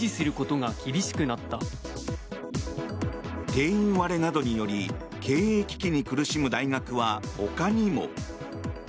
定員割れなどにより経営危機に苦しむ大学は他にも。